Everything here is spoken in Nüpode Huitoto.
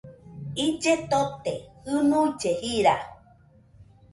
Ille tote, jɨnuille jira